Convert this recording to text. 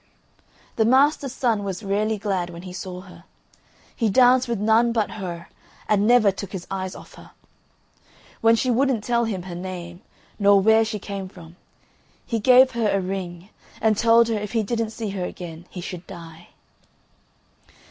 The master's son was rarely glad when he saw her. He danced with none but her and never took his eyes off her. When she wouldn't tell him her name, nor where she came from, he gave her a ring and told her if he didn't see her again he should die.